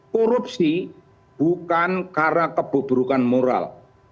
korupsi bukan karena kebeburukan moral